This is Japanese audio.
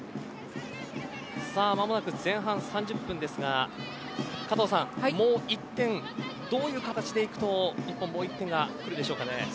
間もなく前半３０分ですが加藤さん、もう１点どういう形で行くと日本もう１点がくるでしょうかね。